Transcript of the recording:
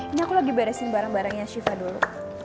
ini aku lagi beresin barang barangnya shiva dulu